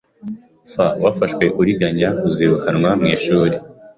f wafashwe uriganya, uzirukanwa mwishuri